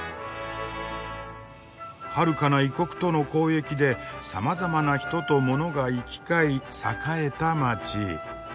はるかな異国との交易でさまざまな人と物が行き交い栄えた街。